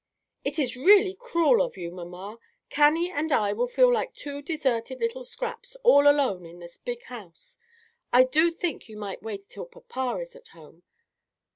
"It is really cruel of you, mamma. Cannie and I will feel like two deserted little scraps, all alone in this big house. I do think you might wait till papa is at home.